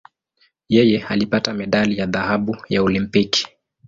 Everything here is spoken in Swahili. Yeye alipata medali ya dhahabu ya Olimpiki.